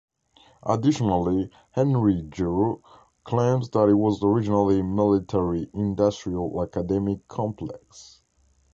Additionally, Henry Giroux claims that it was originally "military-industrial-academic complex".